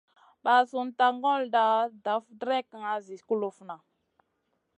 Ɓasunda ŋolda daf dregŋa zi kulufna.